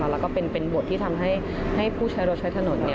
แล้วก็เป็นบทที่ทำให้ผู้ใช้รถใช้ถนน